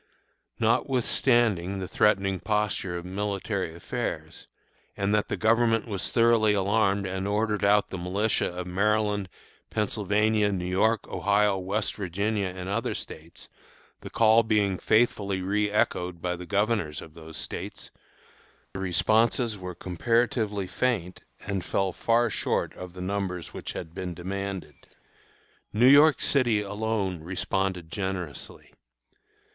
Notwithstanding the threatening posture of military affairs, and that the Government was thoroughly alarmed and ordered out the militia of Maryland, Pennsylvania, New York, Ohio, West Virginia, and other States, the call being faithfully reëchoed by the Governors of those States, the responses were comparatively faint and fell far short of the numbers which had been demanded. New York City alone responded generously.